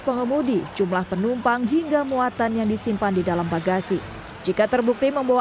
pengemudi jumlah penumpang hingga muatan yang disimpan di dalam bagasi jika terbukti membawa